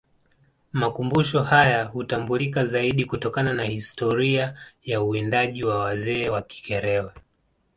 Makumbusho hayahutambulika zaidi kutokana na historia ya uwindaji wa wazee wa Kikerewe